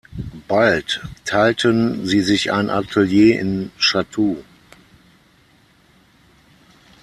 Bald teilten sie sich ein Atelier in Chatou.